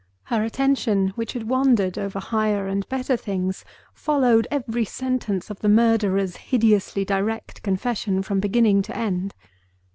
Her attention, which had wandered over higher and better things, followed every sentence of the murderer's hideously direct confession from beginning to end.